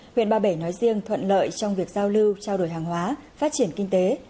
huyện ba bể nói riêng thuận lợi trong việc giao lưu trao đổi hàng hóa phát triển kinh tế